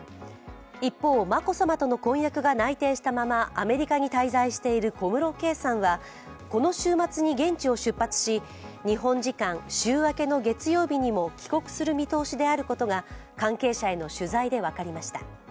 一方、眞子さまとの婚約が内定したままアメリカに滞在している小室圭さんはこの週末に現地を出発し、日本時間週明けの月曜日にも帰国する見通しであることが関係者への取材で分かりました。